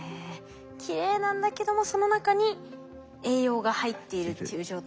きれいなんだけどもその中に栄養が入っているっていう状態。